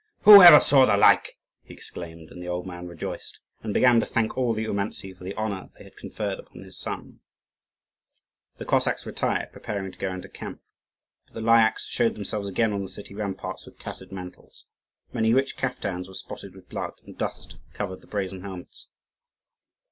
"Who ever saw the like!" he exclaimed; and the old man rejoiced, and began to thank all the Oumantzi for the honour they had conferred upon his son. The Cossacks retired, preparing to go into camp; but the Lyakhs showed themselves again on the city ramparts with tattered mantles. Many rich caftans were spotted with blood, and dust covered the brazen helmets.